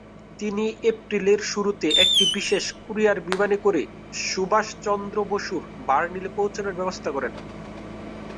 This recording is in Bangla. তিনি এপ্রিলের শুরুতে, একটি বিশেষ কুরিয়ার বিমানে করে সুভাষচন্দ্র বসুর বার্লিনে পৌছানোর ব্যবস্থা করেন।